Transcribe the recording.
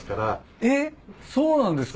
あっそうなんですか。